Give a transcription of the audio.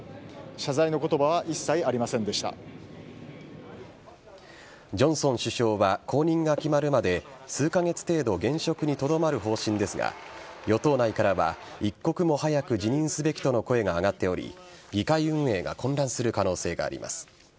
謝罪の言葉はジョンソン首相は後任が決まるまで数カ月程度現職にとどまる方針ですが与党内からは一刻も早く辞任すべきとの声が上がっており議会運営が混乱する可能性があります。